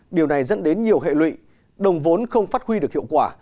điều này dẫn đến nhiều hệ lụy đồng vốn không phát huy được hiệu quả